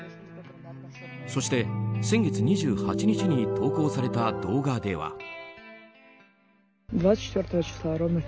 そして先月２８日に投稿された動画では。